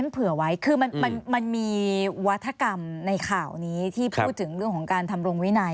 เผื่อไว้คือมันมีวัฒกรรมในข่าวนี้ที่พูดถึงเรื่องของการทำรงวินัย